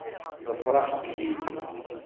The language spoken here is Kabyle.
Ḍefreɣ-k-id.